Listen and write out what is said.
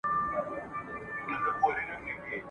دا له زوره ډکي موټي ..